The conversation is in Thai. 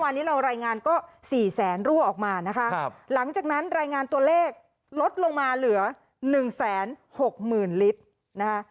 วันนี้เรารายงานก็๔แสนรั่วออกมานะคะหลังจากนั้นรายงานตัวเลขลดลงมาเหลือ๑๖๐๐๐ลิตรนะคะ